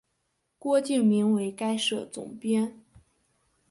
郭敬明为该社总编。